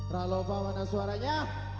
ralova mana suaranya